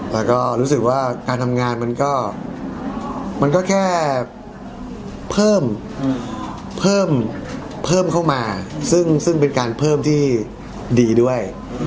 แล้วก็รู้สึกว่าการทำงานมันก็แค่เพิ่มเข้ามาซึ่งเป็นการเพิ่มที่ดีด้วย